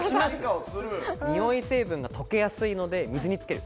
におい成分が溶けやすいので水につける。